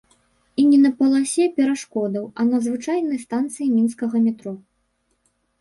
І не на паласе перашкодаў, а на звычайнай станцыі мінскага метро.